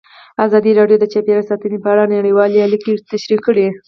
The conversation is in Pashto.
ازادي راډیو د چاپیریال ساتنه په اړه نړیوالې اړیکې تشریح کړي.